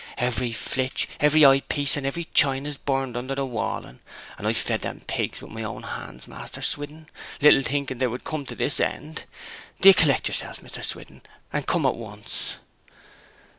Every flitch, every eye piece, and every chine is buried under the walling; and I fed them pigs with my own hands, Master Swithin, little thinking they would come to this end. Do ye collect yourself, Mr. Swithin, and come at once!'